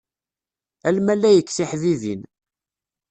A lmalayek tiḥbibin.